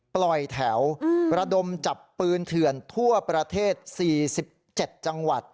ปล่อยแถวระดมจับปืนเถื่อนทั่วประเทศ๔๗จังหวัด